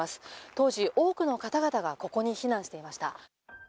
当時、多くの方がここに避難していました。